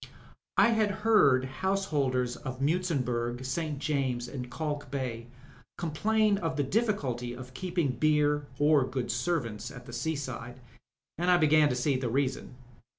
I had heard householders of Muizenburg, St. James's, «nd Kalk Bay complain of t&e difficulty of keeping beer or good servants at the seaside, and I began to see the reason.